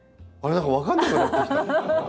何か分かんなくなってきた。